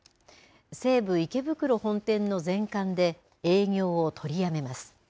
西武池袋本店の全館で営業を取りやめます。